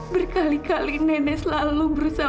berkali kali nenek selalu berusaha